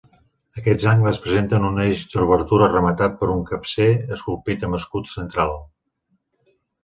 Aquests angles presenten un eix d'obertures rematat per un capcer esculpit amb escut central.